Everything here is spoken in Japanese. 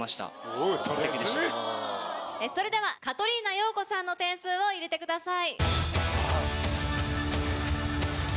それではカトリーナ陽子さんの点数を入れてください。